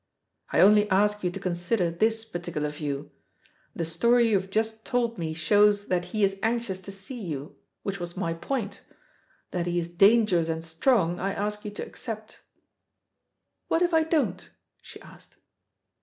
"I only ask you to consider this particular view. The story you have just told me shows that he is anxious to see you, which was my point. That he is dangerous and strong I ask you to accept." "What if I don't?" she asked.